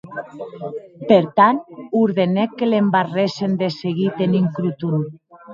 Per tant, ordenèc que l’embarrèssen de seguit en un croton.